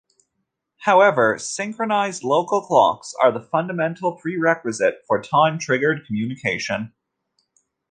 However, "synchronized local clocks are the fundamental prerequisite for time-triggered communication".